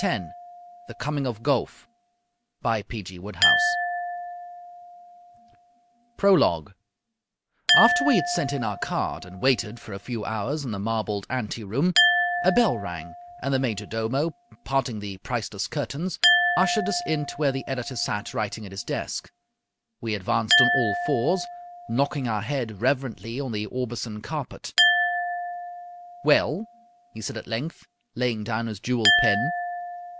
10 The Coming of Gowf PROLOGUE After we had sent in our card and waited for a few hours in the marbled ante room, a bell rang and the major domo, parting the priceless curtains, ushered us in to where the editor sat writing at his desk. We advanced on all fours, knocking our head reverently on the Aubusson carpet. "Well?" he said at length, laying down his jewelled pen.